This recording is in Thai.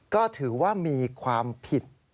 ก็ถือว่ามีความผิด